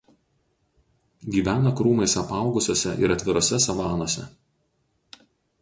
Gyvena krūmais apaugusiose ir atvirose savanose.